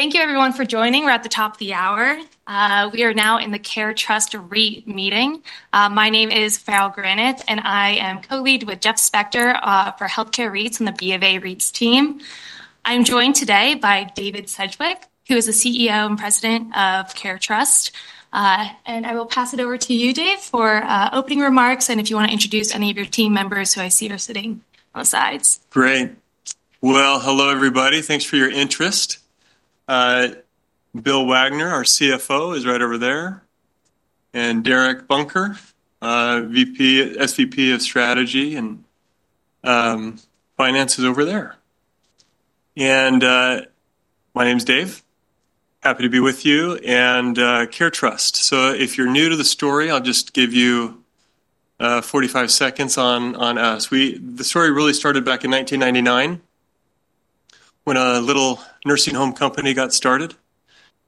Thank you, everyone, for joining. We're at the top of the hour. We are now in the CareTrust REIT meeting. My name is Farrell Granath, and I am co-lead with Jeff Spector for Healthcare REITs and the BofA REITs team. I'm joined today by Dave Sedgwick, who is the CEO and President of CareTrust. I will pass it over to you, Dave, for opening remarks and if you want to introduce any of your team members who I see are sitting on the sides. Great. Hello, everybody. Thanks for your interest. Bill Wagner, our CFO, is right over there. Derek Bunker, SVP of Strategy and Finance, is over there. My name is Dave. Happy to be with you and CareTrust. If you're new to the story, I'll just give you 45 seconds on us. The story really started back in 1999 when a little nursing home company got started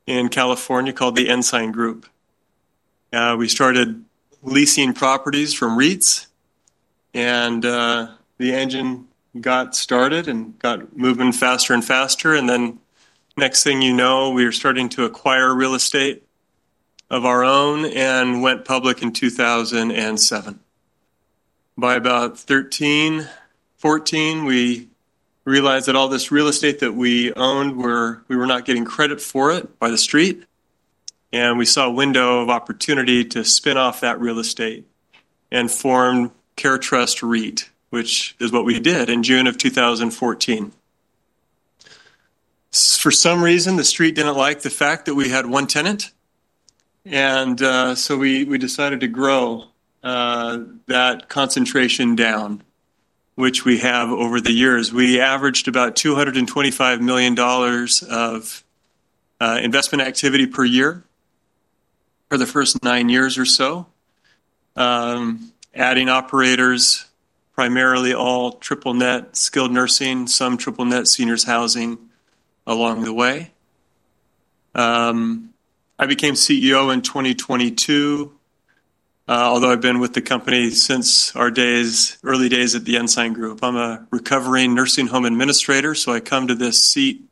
in California called the Ensign Group. We started leasing properties from REITs, and the engine got started and got moving faster and faster. Next thing you know, we were starting to acquire real estate of our own and went public in 2007. By about 2013, 2014, we realized that all this real estate that we owned, we were not getting credit for it by the street. We saw a window of opportunity to spin off that real estate and form CareTrust REIT, which is what we did in June of 2014. For some reason, the street didn't like the fact that we had one tenant. We decided to grow that concentration down, which we have over the years. We averaged about $225 million of investment activity per year for the first nine years or so, adding operators, primarily all triple net skilled nursing, some triple net seniors housing along the way. I became CEO in 2022, although I've been with the company since our early days at the Ensign Group. I'm a recovering nursing home administrator. I come to this seat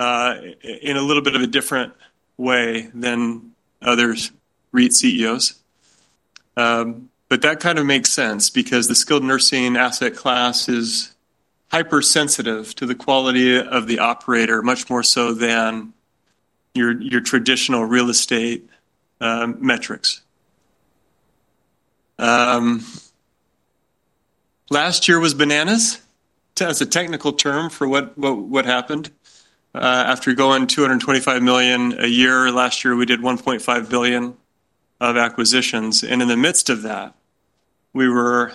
in a little bit of a different way than other REIT CEOs. That kind of makes sense because the skilled nursing asset class is hypersensitive to the quality of the operator, much more so than your traditional real estate metrics. Last year was bananas. That's a technical term for what happened. After you go on $225 million a year, last year we did $1.5 billion of acquisitions. In the midst of that, we were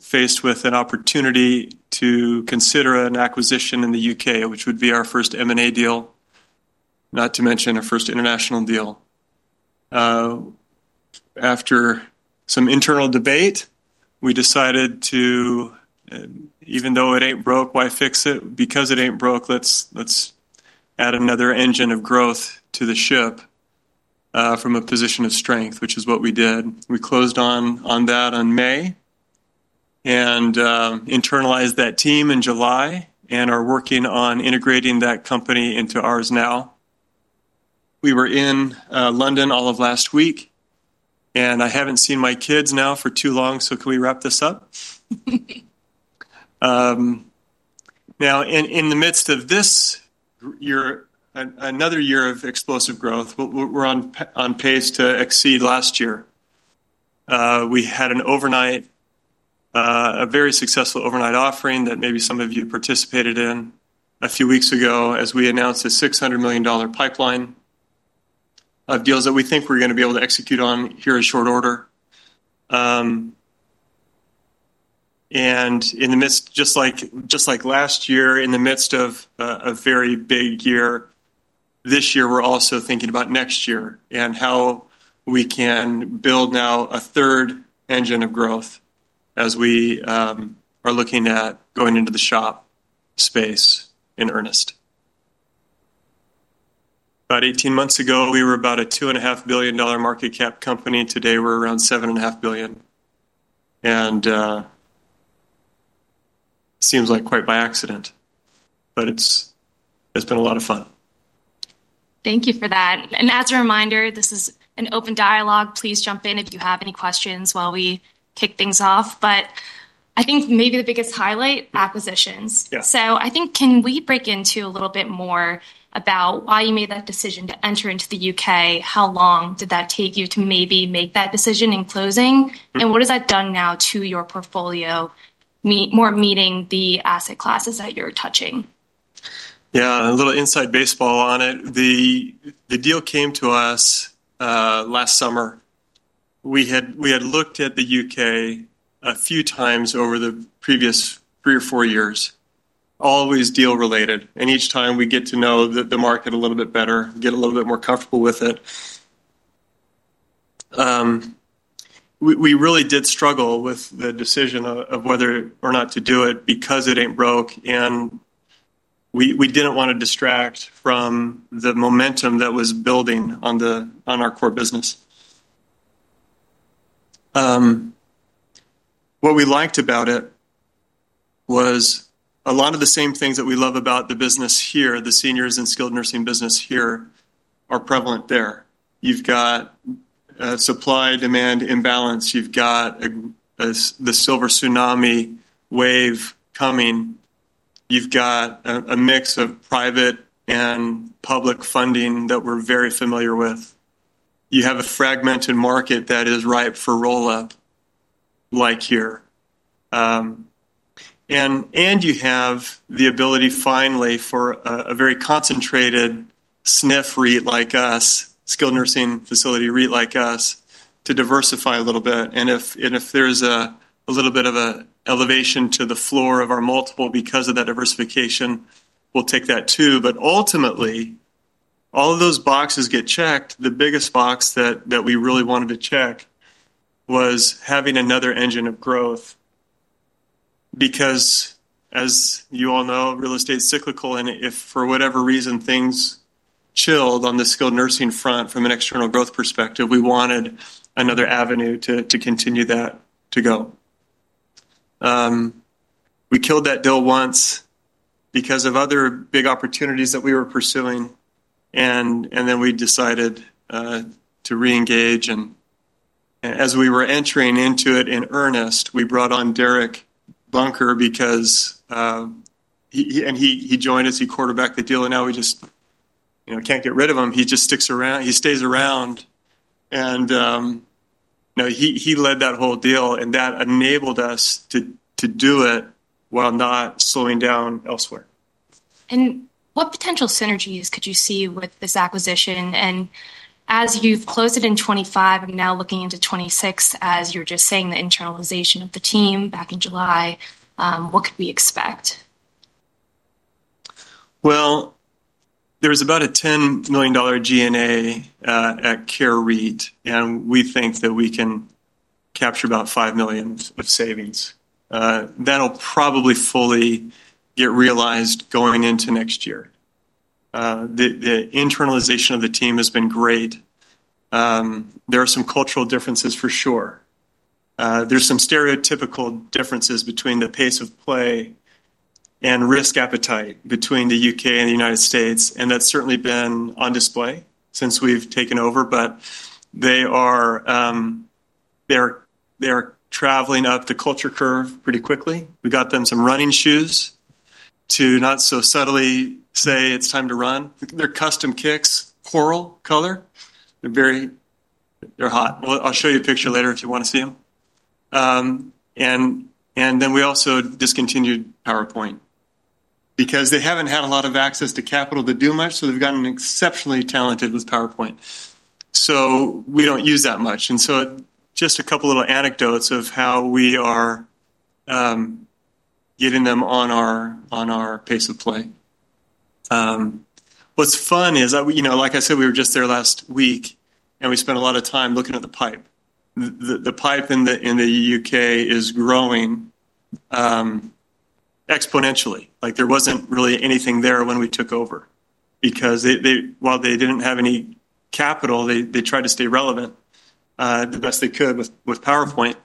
faced with an opportunity to consider an acquisition in the U.K., which would be our first M&A deal, not to mention our first international deal. After some internal debate, we decided to, even though it ain't broke, why fix it? Because it ain't broke, let's add another engine of growth to the ship from a position of strength, which is what we did. We closed on that in May and internalized that team in July and are working on integrating that company into ours now. We were in London all of last week. I haven't seen my kids now for too long. Can we wrap this up? In the midst of this year, another year of explosive growth, we're on pace to exceed last year. We had a very successful overnight equity offering that maybe some of you participated in a few weeks ago as we announced a $600 million pipeline of deals that we think we're going to be able to execute on here in short order. In the midst, just like last year, in the midst of a very big year, this year we're also thinking about next year and how we can build now a third engine of growth as we are looking at going into the SHOP space in earnest. About 18 months ago, we were about a $2.5 billion market capitalization company. Today we're around $7.5 billion. It seems like quite by accident, but it's been a lot of fun. Thank you for that. As a reminder, this is an open dialogue. Please jump in if you have any questions while we kick things off. I think maybe the biggest highlight is acquisitions. I think can we break into a little bit more about why you made that decision to enter into the U.K.? How long did that take you to maybe make that decision in closing? What has that done now to your portfolio, more meeting the asset classes that you're touching? Yeah, a little inside baseball on it. The deal came to us last summer. We had looked at the U.K. a few times over the previous three or four years, always deal related. Each time we get to know the market a little bit better, get a little bit more comfortable with it. We really did struggle with the decision of whether or not to do it because it ain't broke. We didn't want to distract from the momentum that was building on our core business. What we liked about it was a lot of the same things that we love about the business here. The seniors and skilled nursing business here are prevalent there. You've got a supply-demand imbalance. You've got the silver tsunami wave coming. You've got a mix of private and public funding that we're very familiar with. You have a fragmented market that is ripe for roll-up like here. You have the ability finally for a very concentrated SNF REIT like us, skilled nursing facility REIT like us to diversify a little bit. If there's a little bit of an elevation to the floor of our multiple because of that diversification, we'll take that too. Ultimately, all of those boxes get checked. The biggest box that we really wanted to check was having another engine of growth. As you all know, real estate is cyclical. If for whatever reason things chilled on the skilled nursing front from an external growth perspective, we wanted another avenue to continue that to go. We killed that deal once because of other big opportunities that we were pursuing. We decided to re-engage. As we were entering into it in earnest, we brought on Derek Bunker because he joined us. He quarterbacked the deal. Now we just, you know, can't get rid of him. He just sticks around. He stays around. He led that whole deal. That enabled us to do it while not slowing down elsewhere. What potential synergies could you see with this acquisition? As you've closed it in 2025 and now looking into 2026, as you were just saying, the internalization of the team back in July, what could we expect? There is about a $10 million G&A at Care REIT, and we think that we can capture about $5 million of savings. That will probably fully get realized going into next year. The internalization of the team has been great. There are some cultural differences for sure. There are some stereotypical differences between the pace of play and risk appetite between the U.K. and the U.S., and that has certainly been on display since we've taken over. They are traveling up the culture curve pretty quickly. We got them some running shoes to not so subtly say it's time to run. They're custom kicks, coral color. They're hot. I'll show you a picture later if you want to see them. We also discontinued PowerPoint because they haven't had a lot of access to capital to do much, so they've gotten exceptionally talented with PowerPoint. We don't use that much. Just a couple of little anecdotes of how we are getting them on our pace of play. What's fun is, like I said, we were just there last week, and we spent a lot of time looking at the pipeline. The pipeline in the U.K. is growing exponentially. There wasn't really anything there when we took over because while they didn't have any capital, they tried to stay relevant the best they could with PowerPoint.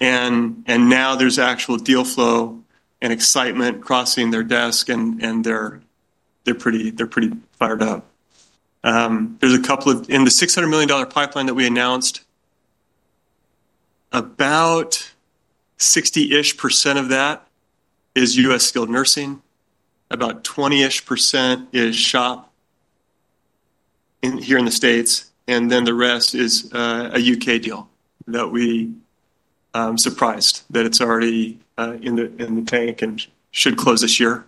Now there's actual deal flow and excitement crossing their desk, and they're pretty fired up. There is a couple in the $600 million pipeline that we announced. About 60% of that is U.S. skilled nursing, about 20% is SHOP here in the States, and then the rest is a U.K. deal that we are surprised that it's already in the tank and should close this year.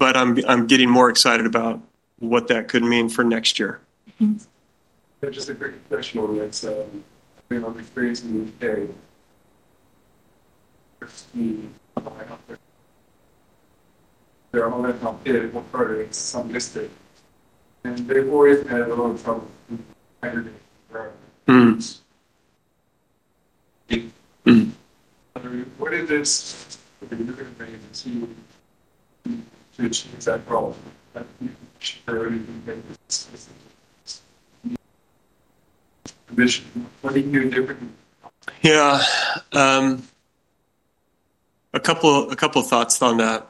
I'm getting more excited about what that could mean for next year. Just a quick question on this. I'm afraid, to be very honest, there are a lot of people worried about. Yeah. A couple of thoughts on that.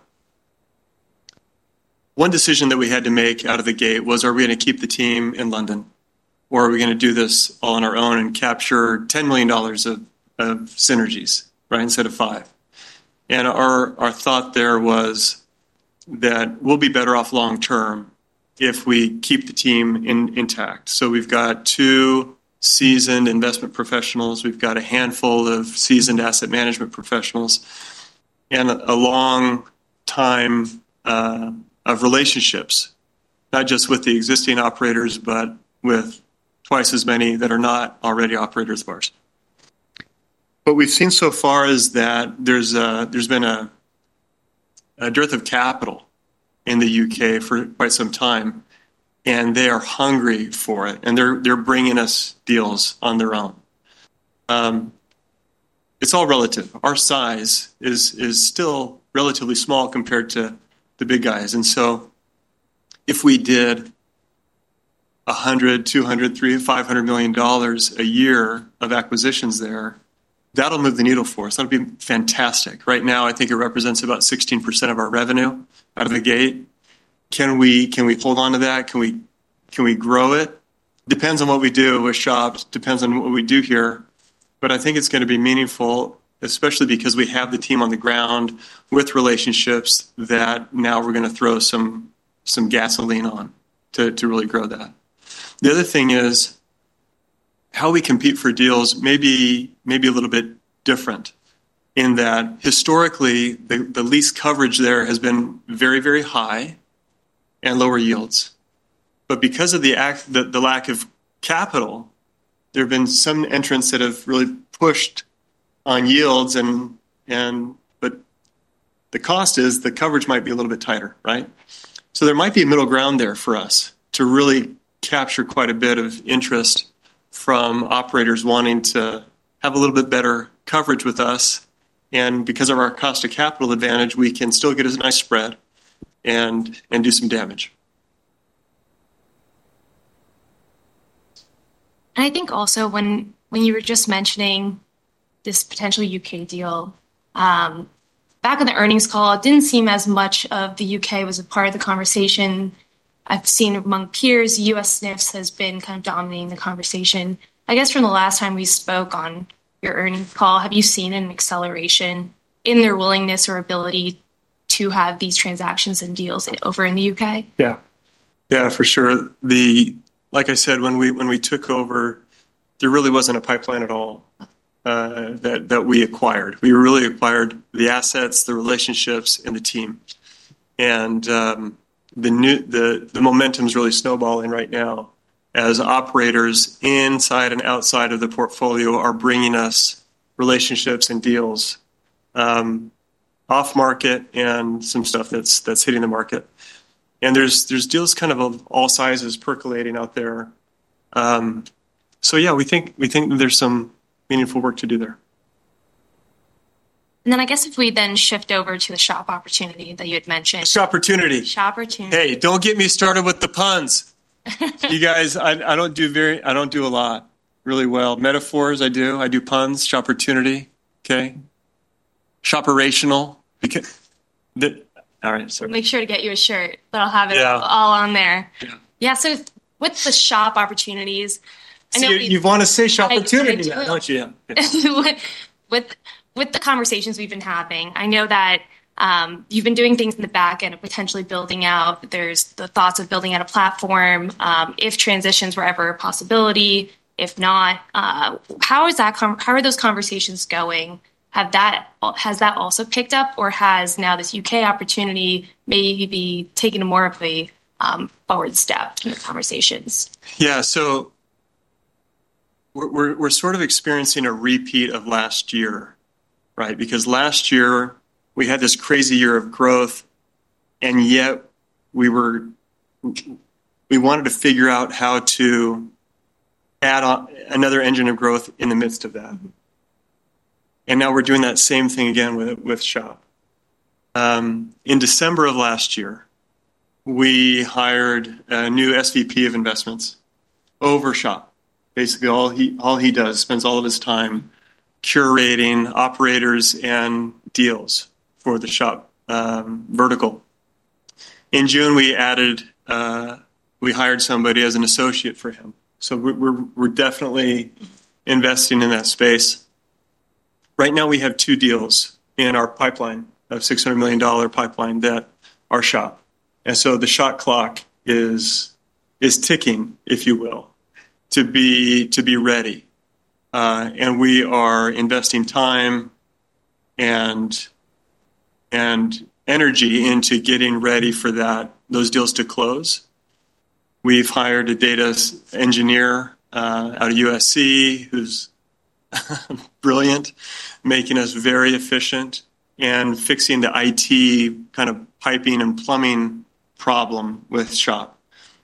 One decision that we had to make out of the gate was, are we going to keep the team in London? Or are we going to do this all on our own and capture $10 million of synergies, right, instead of $5 million? Our thought there was that we'll be better off long term if we keep the team intact. We've got two seasoned investment professionals. We've got a handful of seasoned asset management professionals and a long time of relationships, not just with the existing operators, but with twice as many that are not already operators of ours. What we've seen so far is that there's been a dearth of capital in the U.K. for quite some time. They are hungry for it, and they're bringing us deals on their own. It's all relative. Our size is still relatively small compared to the big guys. If we did $100 million, $200 million, $300 million, $500 million a year of acquisitions there, that'll move the needle for us. That'll be fantastic. Right now, I think it represents about 16% of our revenue out of the gate. Can we hold on to that? Can we grow it? Depends on what we do with SHOPs. Depends on what we do here. I think it's going to be meaningful, especially because we have the team on the ground with relationships that now we're going to throw some gasoline on to really grow that. The other thing is how we compete for deals may be a little bit different in that historically, the lease coverage there has been very, very high and lower yields. Because of the lack of capital, there have been some entrants that have really pushed on yields. The cost is the coverage might be a little bit tighter, right? There might be middle ground there for us to really capture quite a bit of interest from operators wanting to have a little bit better coverage with us. Because of our cost of capital advantage, we can still get us a nice spread and do some damage. I think also when you were just mentioning this potential U.K. deal, back in the earnings call, it didn't seem as much of the U.K. was a part of the conversation. I've seen among peers, U.S. skilled nursing has been kind of dominating the conversation. I guess from the last time we spoke on your earnings call, have you seen an acceleration in their willingness or ability to have these transactions and deals over in the U.K.? Yeah, for sure. Like I said, when we took over, there really wasn't a pipeline at all that we acquired. We really acquired the assets, the relationships, and the team. The momentum is really snowballing right now as operators inside and outside of the portfolio are bringing us relationships and deals off market and some stuff that's hitting the market. There are deals of all sizes percolating out there. Yeah, we think there's some meaningful work to do there. If we then shift over to the SHOP opportunity that you had mentioned. SHOPportunity. Hey, don't get me started with the puns. You guys, I don't do a lot really well. Metaphors, I do. I do puns. SHOPportunity. OK. SHOPerational. All right. I'll make sure to get you a shirt. I'll have it all on there. Yeah. With the SHOP opportunities, I know. You want to say SHOPportunities. With the conversations we've been having, I know that you've been doing things in the back end of potentially building out. There's the thoughts of building out a platform. If transitions were ever a possibility, if not, how are those conversations going? Has that also picked up? Or has now this U.K. opportunity maybe taken more of a forward step in the conversations? Yeah. We're sort of experiencing a repeat of last year, right? Last year we had this crazy year of growth, yet we wanted to figure out how to add another engine of growth in the midst of that. Now we're doing that same thing again with SHOP. In December of last year, we hired a new SVP of Investments over SHOP. Basically, all he does is spend all of his time curating operators and deals for the SHOP vertical. In June, we hired somebody as an associate for him. We're definitely investing in that space. Right now, we have two deals in our pipeline, a $600 million pipeline, that are SHOP. The SHOP clock is ticking, if you will, to be ready. We are investing time and energy into getting ready for those deals to close. We've hired a data engineer out of USC who's brilliant, making us very efficient and fixing the IT kind of piping and plumbing problem with SHOP.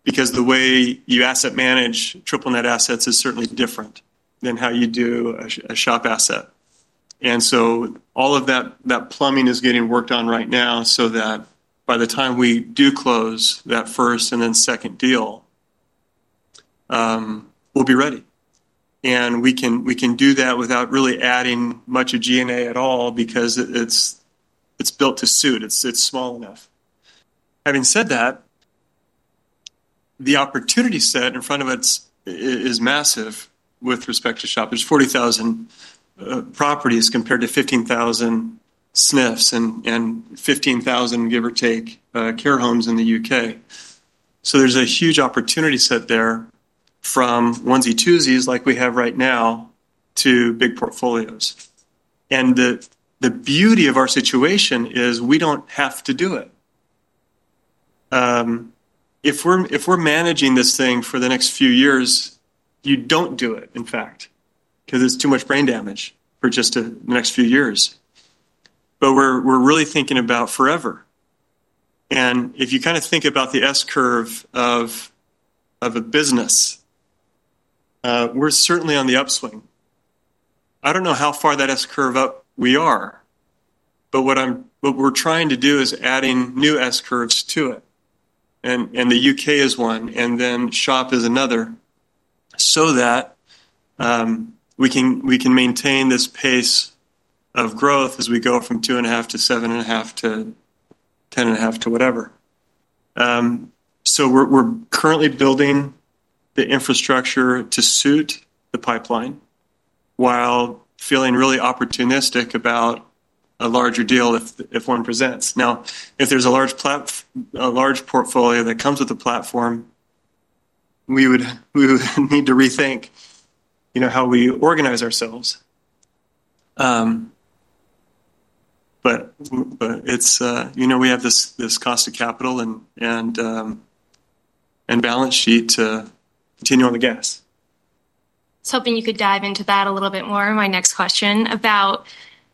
The way you asset manage triple net assets is certainly different than how you do a SHOP asset. All of that plumbing is getting worked on right now so that by the time we do close that first and then second deal, we'll be ready. We can do that without really adding much of G&A at all because it's built to suit. It's small enough. Having said that, the opportunity set in front of us is massive with respect to SHOP. There are 40,000 properties compared to 15,000 SNFs and 15,000, give or take, care homes in the U.K. There's a huge opportunity set there from onesie-twosies like we have right now to big portfolios. The beauty of our situation is we don't have to do it. If we're managing this thing for the next few years, you don't do it, in fact, because it's too much brain damage for just the next few years. We're really thinking about forever. If you kind of think about the S curve of a business, we're certainly on the upswing. I don't know how far that S curve up we are. What we're trying to do is adding new S curves to it. The U.K. is one, and then SHOP is another so that we can maintain this pace of growth as we go from $2.5 billion to $7.5 billion to $10.5 billion to whatever. We're currently building the infrastructure to suit the pipeline while feeling really opportunistic about a larger deal if one presents. If there's a large portfolio that comes with the platform, we would need to rethink how we organize ourselves. We have this cost of capital and balance sheet to continue on the gas. I was hoping you could dive into that a little bit more. My next question about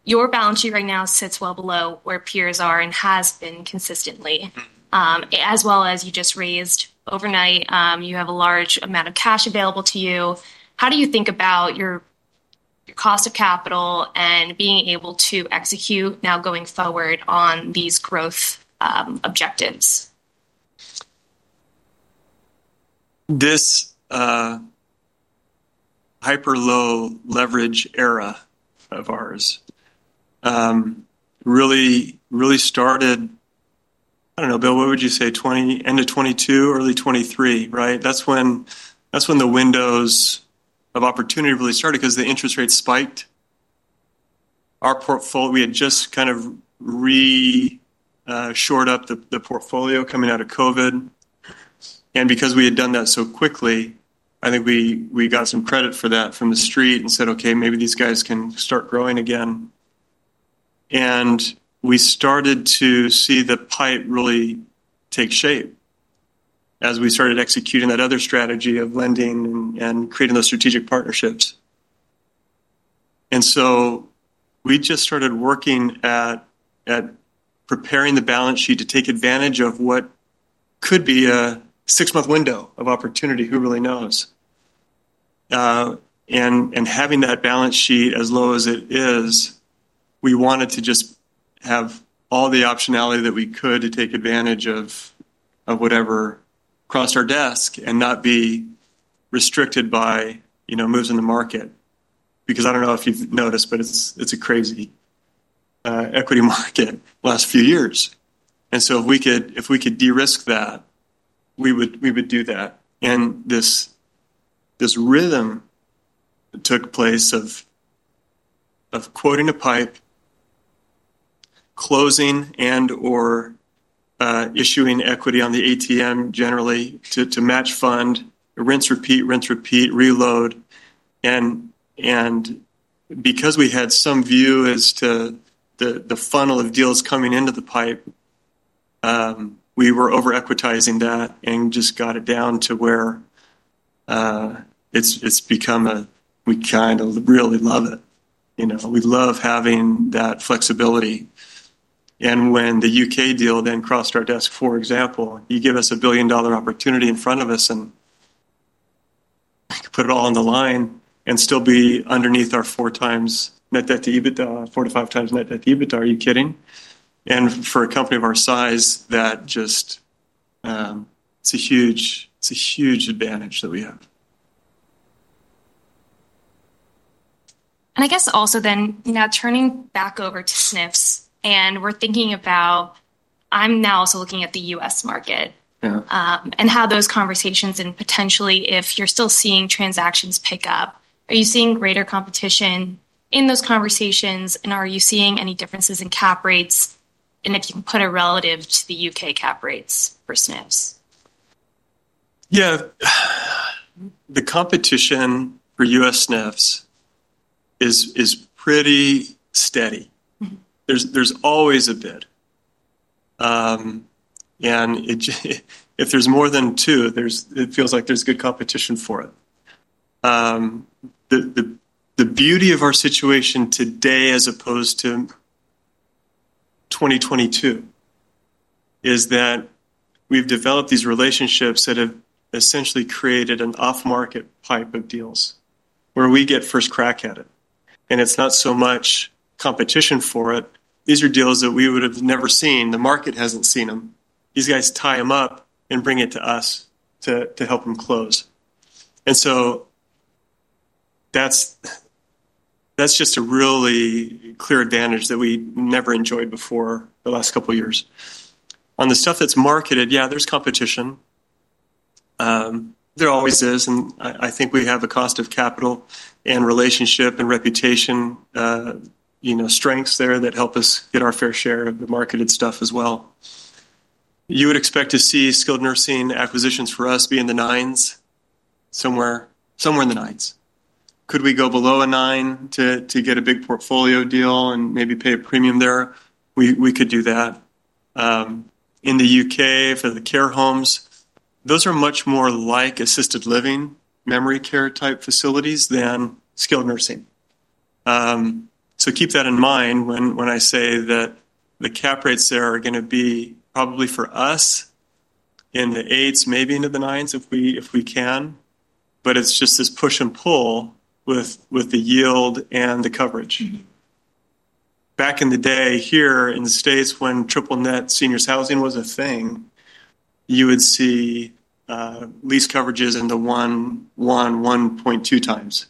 your balance sheet right now sits well below where peers are and has been consistently. As well as you just raised overnight, you have a large amount of cash available to you. How do you think about your cost of capital and being able to execute now going forward on these growth objectives? This hyper low leverage era of ours really started, I don't know, Bill, what would you say, end of 2022, early 2023, right? That's when the windows of opportunity really started because the interest rates spiked. We had just kind of re-shored up the portfolio coming out of COVID. Because we had done that so quickly, I think we got some credit for that from the street and said, OK, maybe these guys can start growing again. We started to see the pipe really take shape as we started executing that other strategy of lending and creating those strategic partnerships. We just started working at preparing the balance sheet to take advantage of what could be a six-month window of opportunity. Who really knows? Having that balance sheet as low as it is, we wanted to just have all the optionality that we could to take advantage of whatever crossed our desk and not be restricted by moves in the market. I don't know if you know this, but it's a crazy equity market the last few years. If we could de-risk that, we would do that. This rhythm took place of quoting a pipe, closing and/or issuing equity on the ATM generally to match fund, rinse repeat, rinse repeat, reload. Because we had some view as to the funnel of deals coming into the pipe, we were over equitizing that and just got it down to where it's become a we kind of really love it. You know, we love having that flexibility. When the U.K. deal then crossed our desk, for example, you give us a $1 billion opportunity in front of us and put it all on the line and still be underneath our 4x net debt to EBITDA, 4x-5x net debt to EBITDA. Are you kidding? For a company of our size, that just, it's a huge advantage that we have. I guess also then, now turning back over to SNFs, and we're thinking about, I'm now also looking at the U.S. market and how those conversations and potentially if you're still seeing transactions pick up, are you seeing greater competition in those conversations? Are you seeing any differences in cap rates? If you can put a relative to the U.K. cap rates for SNFs. Yeah. The competition for U.S. SNFs is pretty steady. There's always a bid, and if there's more than two, it feels like there's good competition for it. The beauty of our situation today as opposed to 2022 is that we've developed these relationships that have essentially created an off-market pipe of deals where we get first crack at it. It's not so much competition for it. These are deals that we would have never seen. The market hasn't seen them. These guys tie them up and bring it to us to help them close. That's just a really clear advantage that we never enjoyed before the last couple of years. On the stuff that's marketed, yeah, there's competition. There always is. I think we have a cost of capital and relationship and reputation strengths there that help us get our fair share of the marketed stuff as well. You would expect to see skilled nursing acquisitions for us be in the 9%, somewhere in the 9%. Could we go below a 9% to get a big portfolio deal and maybe pay a premium there? We could do that. In the U.K. for the care homes, those are much more like assisted living, memory care type facilities than skilled nursing. Keep that in mind when I say that the cap rates there are going to be probably for us in the 8%, maybe into the 9% if we can. It's just this push and pull with the yield and the coverage. Back in the day here in the States, when triple-net seniors housing was a thing, you would see lease coverages in the 1x-1.2x.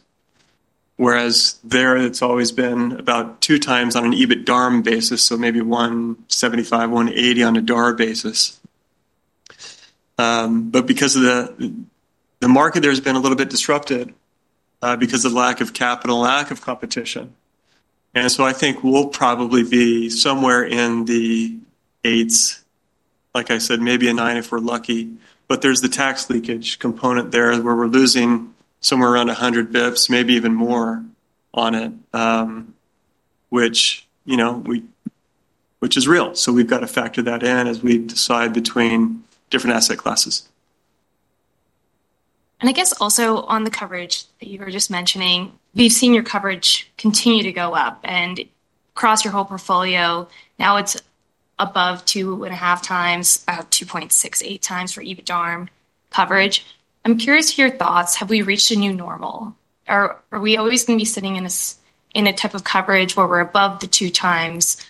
Whereas there, it's always been about 2x on an EBITDAR basis, so maybe 1.75x-1.80x on a DAR basis. Because of the market, there's been a little bit disrupted because of lack of capital, lack of competition. I think we'll probably be somewhere in the 8%, like I said, maybe a 9% if we're lucky. There's the tax leakage component there where we're losing somewhere around 100 bps, maybe even more on it, which is real. We've got to factor that in as we decide between different asset classes. I guess also on the coverage that you were just mentioning, we've seen your coverage continue to go up across your whole portfolio. Now it's above 2.5x, about 2.68x for EBITDAR coverage. I'm curious to hear your thoughts. Have we reached a new normal? Are we always going to be sitting in a type of coverage where we're above the 2x?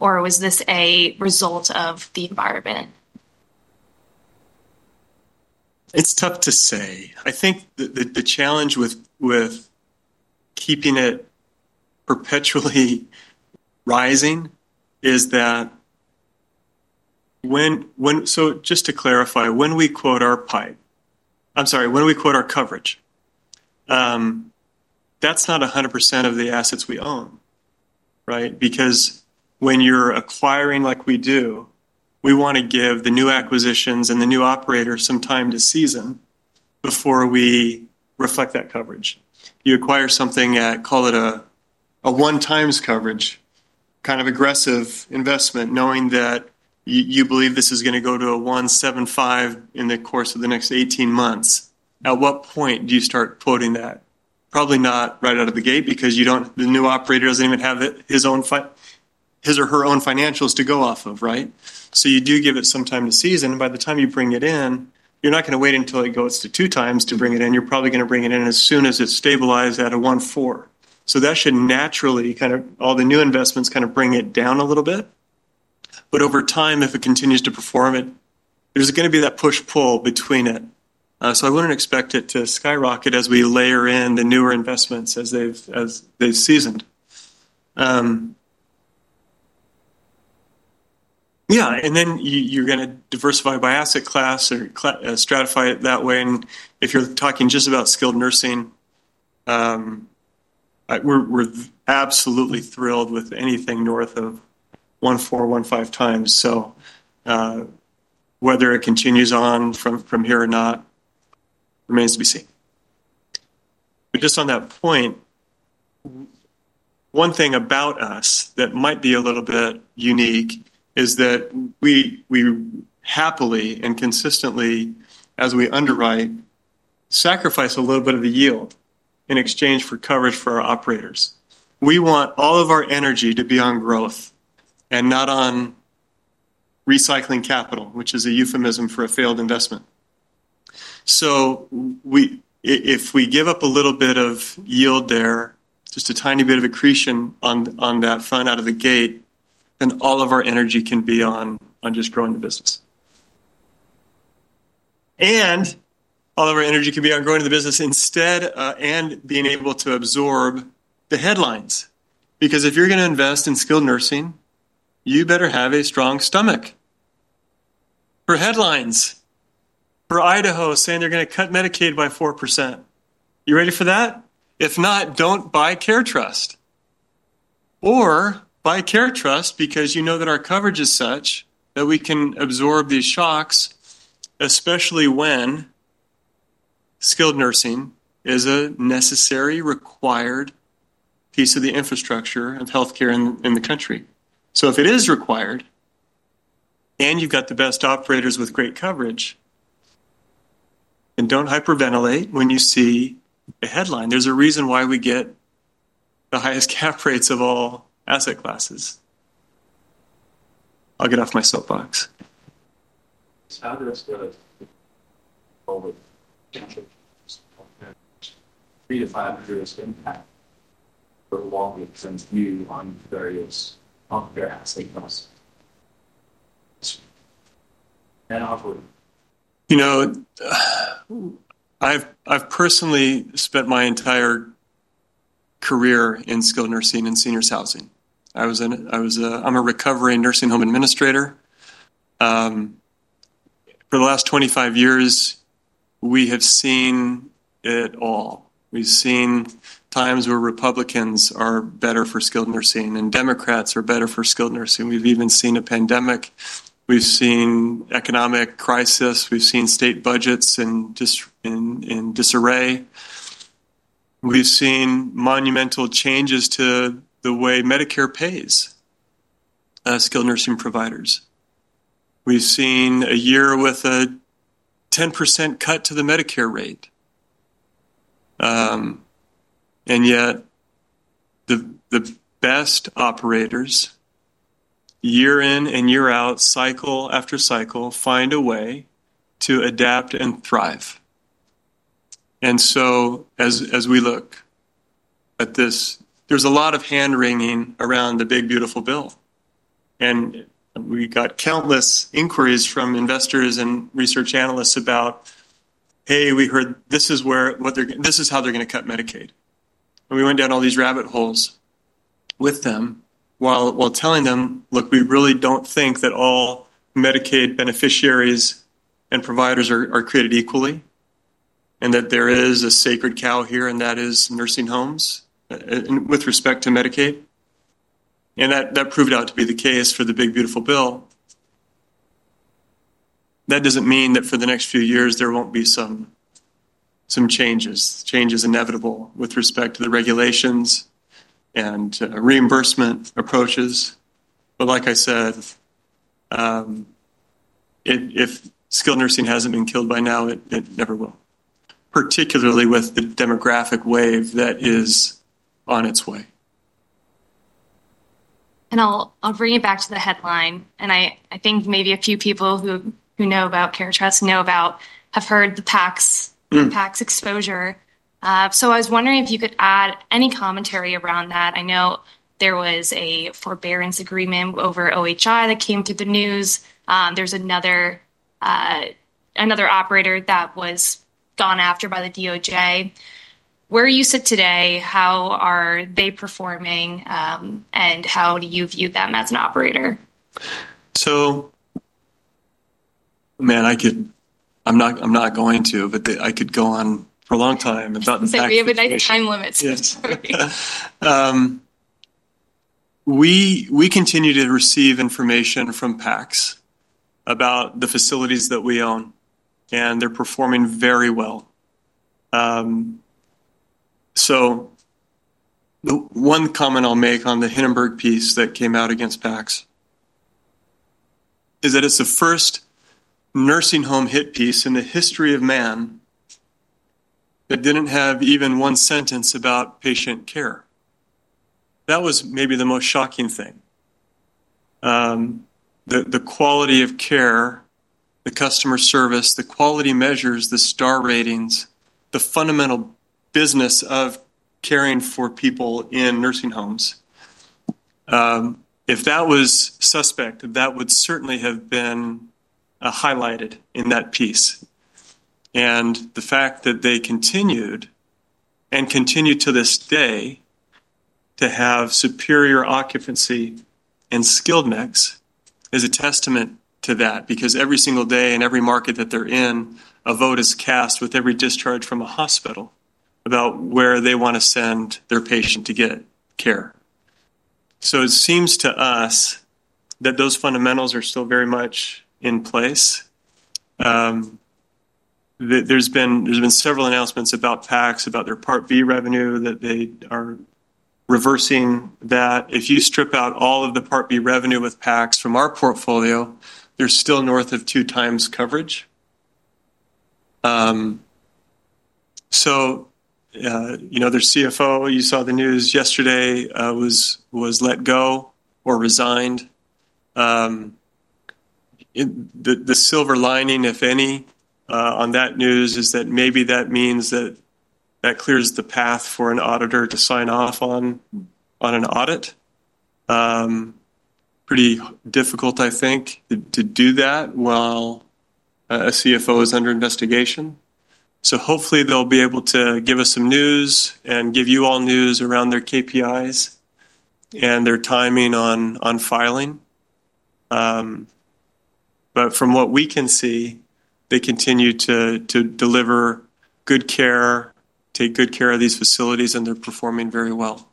Or was this a result of the environment? It's tough to say. I think the challenge with keeping it perpetually rising is that when, so just to clarify, when we quote our coverage, that's not 100% of the assets we own, right? Because when you're acquiring like we do, we want to give the new acquisitions and the new operators some time to season before we reflect that coverage. If you acquire something at, call it a 1x coverage, kind of aggressive investment, knowing that you believe this is going to go to a 1.75x in the course of the next 18 months, at what point do you start quoting that? Probably not right out of the gate because the new operator doesn't even have his or her own financials to go off of, right? You do give it some time to season. By the time you bring it in, you're not going to wait until it goes to 2x to bring it in. You're probably going to bring it in as soon as it's stabilized at a 1.40x. That should naturally kind of, all the new investments kind of bring it down a little bit. Over time, if it continues to perform, it is going to be that push-pull between it. I wouldn't expect it to skyrocket as we layer in the newer investments as they've seasoned. You're going to diversify by asset class or stratify it that way. If you're talking just about skilled nursing, we're absolutely thrilled with anything north of 1.40x-1.50x. Whether it continues on from here or not remains to be seen. Just on that point, one thing about us that might be a little bit unique is that we happily and consistently, as we underwrite, sacrifice a little bit of the yield in exchange for coverage for our operators. We want all of our energy to be on growth and not on recycling capital, which is a euphemism for a failed investment. If we give up a little bit of yield there, just a tiny bit of accretion on that fund out of the gate, then all of our energy can be on just growing the business. All of our energy can be on growing the business instead and being able to absorb the headlines. If you're going to invest in skilled nursing, you better have a strong stomach for headlines. For Idaho, saying they're going to cut Medicaid by 4%. You ready for that? If not, don't buy CareTrust. Or buy CareTrust because you know that our coverage is such that we can absorb these shocks, especially when skilled nursing is a necessary, required piece of the infrastructure of health care in the country. If it is required and you've got the best operators with great coverage, and don't hyperventilate when you see a headline, there's a reason why we get the highest cap rates of all asset classes. I'll get off my soapbox. How does this feel? It's getting back, while it sends you on to various other asking thoughts. I've personally spent my entire career in skilled nursing and seniors housing. I'm a recovering nursing home administrator. For the last 25 years, we have seen it all. We've seen times where Republicans are better for skilled nursing and Democrats are better for skilled nursing. We've even seen a pandemic. We've seen economic crisis. We've seen state budgets in disarray. We've seen monumental changes to the way Medicare pays skilled nursing providers. We've seen a year with a 10% cut to the Medicare rate. Yet the best operators, year in and year out, cycle after cycle, find a way to adapt and thrive. As we look at this, there's a lot of hand wringing around the big, beautiful bill. We got countless inquiries from investors and research analysts about, hey, we heard this is how they're going to cut Medicaid. We went down all these rabbit holes with them while telling them, look, we really don't think that all Medicaid beneficiaries and providers are created equally and that there is a sacred cow here, and that is nursing homes with respect to Medicaid. That proved out to be the case for the big, beautiful bill. That doesn't mean that for the next few years, there won't be some changes, change is inevitable with respect to the regulations and reimbursement approaches. Like I said, if skilled nursing hasn't been killed by now, it never will, particularly with the demographic wave that is on its way. I'll bring it back to the headline. I think maybe a few people who know about CareTrust have heard the PACS exposure. I was wondering if you could add any commentary around that. I know there was a forbearance agreement over OHI that came to the news. There's another operator that was gone after by the DOJ. Where do you sit today? How are they performing? How do you view them as an operator? I'm not going to, but I could go on for a long time. You have a nice time limit. We continue to receive information from PACS about the facilities that we own, and they're performing very well. One comment I'll make on the Hindenburg piece that came out against PACS is that it's the first nursing home hit piece in the history of man that didn't have even one sentence about patient care. That was maybe the most shocking thing. The quality of care, the customer service, the quality measures, the star ratings, the fundamental business of caring for people in nursing homes—if that was suspected, that would certainly have been highlighted in that piece. The fact that they continued and continue to this day to have superior occupancy and skilled mix is a testament to that because every single day in every market that they're in, a vote is cast with every discharge from a hospital about where they want to send their patient to get care. It seems to us that those fundamentals are still very much in place. There have been several announcements about PACS, about their Part B revenue, that they are reversing that. If you strip out all of the Part B revenue with PACS from our portfolio, they're still north of 2x coverage. Their CFO, you saw the news yesterday, was let go or resigned. The silver lining, if any, on that news is that maybe that means that clears the path for an auditor to sign off on an audit. It's pretty difficult, I think, to do that while a CFO is under investigation. Hopefully, they'll be able to give us some news and give you all news around their KPIs and their timing on filing. From what we can see, they continue to deliver good care, take good care of these facilities, and they're performing very well.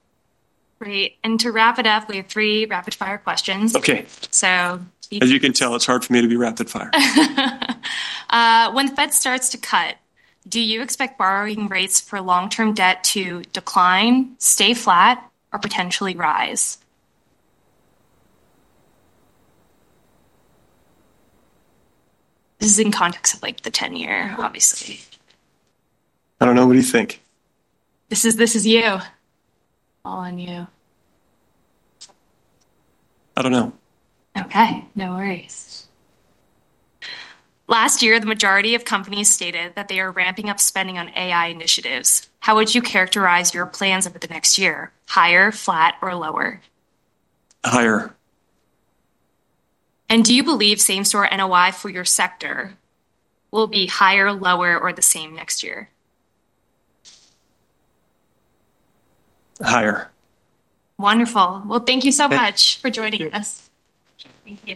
Great. To wrap it up, we have three rapid-fire questions. OK, as you can tell, it's hard for me to be rapid-fire. When Fed starts to cut, do you expect borrowing rates for long-term debt to decline, stay flat, or potentially rise? This is in context of like the 10-year, obviously. I don't know. What do you think? This is you. All on you. I don't know. OK. No worries. Last year, the majority of companies stated that they are ramping up spending on AI initiatives. How would you characterize your plans over the next year? Higher, flat, or lower? Higher. Do you believe same-store NOI for your sector will be higher, lower, or the same next year? Higher. Wonderful. Thank you so much for joining us. Thank you.